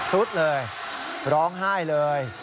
สุดเลยร้องไห้เลย